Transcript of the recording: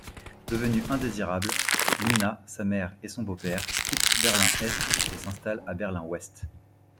Devenus indésirables, Nina, sa mère et son beau-père quittent Berlin-Est et s'installent à Berlin-Ouest.